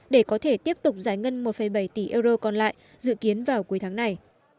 để có thể tiếp tục giải ngân một bảy tỷ euro còn lại dự kiến vào cuối tháng này